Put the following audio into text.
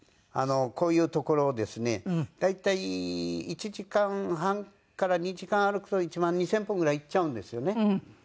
こういう所をですね大体１時間半から２時間歩くと１万２０００歩ぐらいいっちゃうんですよね。